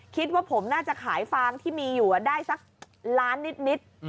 คิดว่าผมคงจะขายฟางได้สักล้านนิดมิตร